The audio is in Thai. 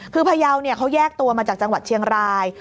คือพยาวเขาแยกตัวมาจากจังหวัดเชียงราย